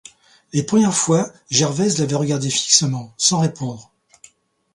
Les premières fois, Gervaise l'avait regardée fixement, sans répondre.